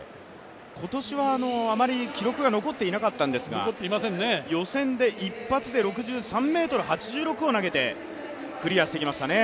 今年はあまり記録が残っていなかったんですが、予選で一発で６３ｍ８６を投げてクリアしてきましたね。